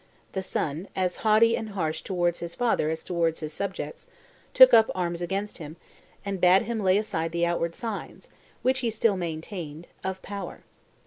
The son, as haughty and harsh towards his father as towards his subjects, took up arms against him, and bade him lay aside the outward signs, which he still maintained, of power.